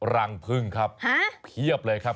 รังพึ่งครับเพียบเลยครับ